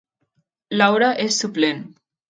Laura és suplent